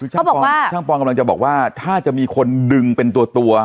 ช่างปอนกำลังจะบอกว่าถ้าจะมีคนดึงเป็นตัว